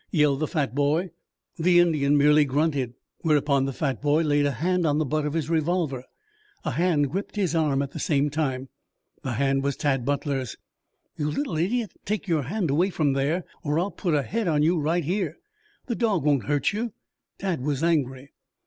yelled the fat boy. The Indian merely grunted, whereupon the fat boy laid a hand on the butt of his revolver. A hand gripped his arm at the same time. The hand was Tad Butler's. "You little idiot, take your hand away from there or I'll put a head on you right here! The dog won't hurt you." Tad was angry.